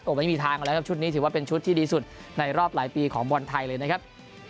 ไม่มีทางมาแล้วครับชุดนี้ถือว่าเป็นชุดที่ดีสุดในรอบหลายปีของบอลไทยเลยนะครับ